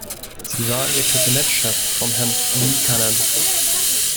Sie waren ja Kabinettschef von Herrn Liikanen.